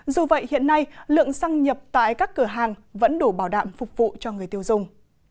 dù vậy hiện nay lượng xăng nhập tại các cửa hàng vẫn đủ bảo đảm phục vụ cho người tiêu dùng